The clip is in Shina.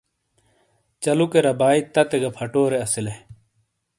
چَلُوکے رَبائے تٙتے گہ فَٹورے اَسِیلے۔